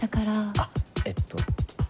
あっえっと。